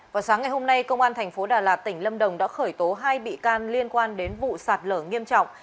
vào sáng ngày hôm nay công an thành phố đà lạt tỉnh lâm đồng đã khởi tố hai bị can liên quan đến vụ sạt lở nghiêm trọng